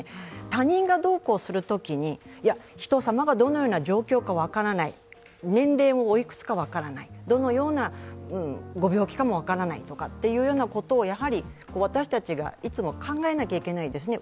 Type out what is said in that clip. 他人がどうこうするときに、人様がどのような状況か分からない、年齢がおいくつか分からない、どのようなご病気かも分からないというようなことを私たちがいつも考えなきゃいけないですね。